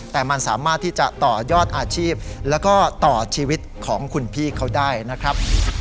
แต่มันสามารถที่จะต่อยอดอาชีพแล้วก็ต่อชีวิตของคุณพี่เขาได้นะครับ